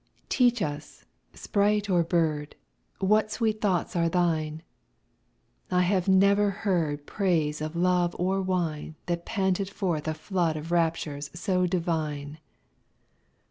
Teach us, sprite or bird, What sweet thoughts are thine: I have never heard Praise of love or wine That panted forth a flood of rapture so divine.